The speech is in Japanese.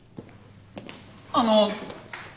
あの！